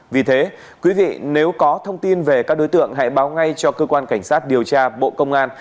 vì thế quý vị nếu có thông tin về các đối tượng hãy báo ngay cho cơ quan cảnh sát điều tra bộ công an